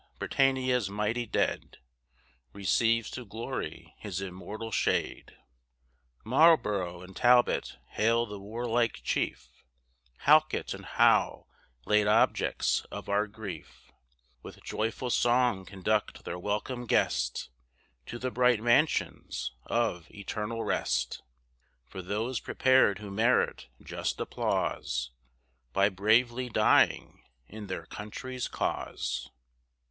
Britannia's mighty dead, Receives to glory his immortal shade. Marlborough and Talbot hail the warlike chief Halket and Howe, late objects of our grief, With joyful song conduct their welcome guest To the bright mansions of eternal rest For those prepared who merit just applause By bravely dying in their country's cause.